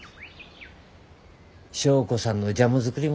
祥子さんのジャム作り